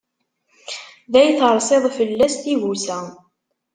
Day teṛṣiḍ, fell-as tigusa.